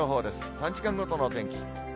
３時間ごとのお天気。